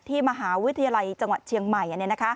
มหาวิทยาลัยจังหวัดเชียงใหม่